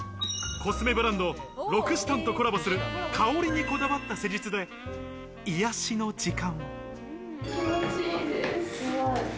コスメブランド、ロクシタンとコラボする、香りにこだわった施術で癒やしの時間。